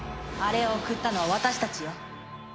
あれを送ったのは私たちよ。